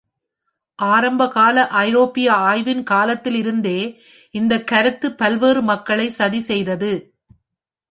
ஆரம்பகால ஐரோப்பிய ஆய்வின் காலத்திலிருந்தே இந்த கருத்து பல்வேறு மக்களை சதி செய்தது.